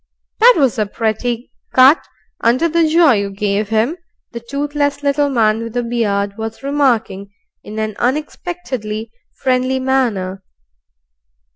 "That was a pretty cut under the jaw you gave him," the toothless little man with the beard was remarking in an unexpectedly friendly manner.